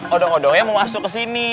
odong odong yang mau masuk ke sini